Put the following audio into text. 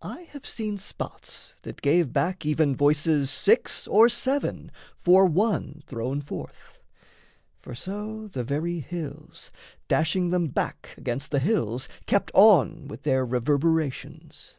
I have seen Spots that gave back even voices six or seven For one thrown forth for so the very hills, Dashing them back against the hills, kept on With their reverberations.